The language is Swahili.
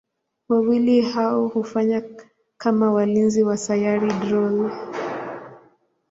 Wawili hao hufanya kama walinzi wa Sayari Drool.